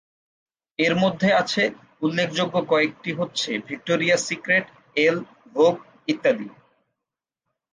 এর মধ্যে আছে উল্লেখযোগ্য কয়েকটি হচ্ছে ভিক্টোরিয়া’স সিক্রেট, "এল", "ভোগ" ইত্যাদি।